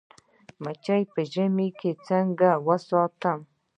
مچۍ په ژمي کې څنګه وساتم؟